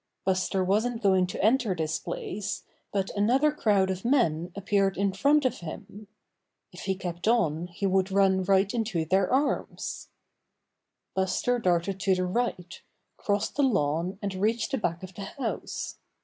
Buster wasn't going to enter this place, but another crowd of men appeared in front of him. If he kept on he would run right into their arms. 100 Buster the Bear Buster darted to the right, crossed the lawn and reached the back of the house.